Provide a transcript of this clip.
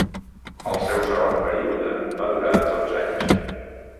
El seu segon període va durar dotze anys.